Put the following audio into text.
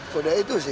sudah itu sih